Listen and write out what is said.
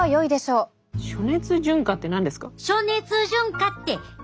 「暑熱順化」って何ですか？